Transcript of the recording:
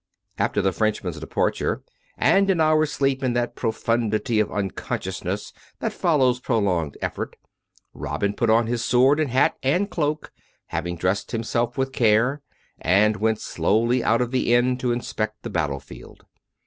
II After the Frenchman's departure, and an hour's sleep in that profundity of unconsciousness that follows prolonged effort, Robin put on his sword and hat and cloak, having dressed himself with care, and went slowly out of the inn to inspect the battlefield.